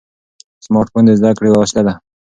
سمارټ فون د زده کړې یوه وسیله ده.